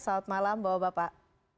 salam malam bapak bapak